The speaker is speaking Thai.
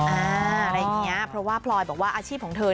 อะไรอย่างนี้เพราะว่าพลอยบอกว่าอาชีพของเธอ